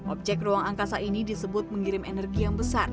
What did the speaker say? objek ruang angkasa ini disebut mengirim energi yang besar